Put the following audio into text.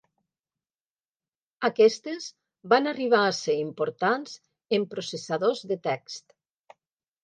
Aquestes van arribar a ser importants en processadors de text.